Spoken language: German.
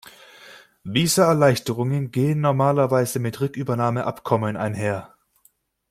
Visaerleichterungen gehen normalerweise mit Rückübernahmeabkommen einher.